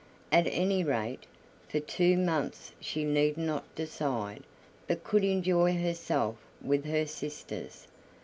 At any rate, for two months she need not decide, but could enjoy herself with her sisters.